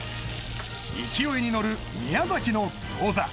勢いにのる宮崎の餃子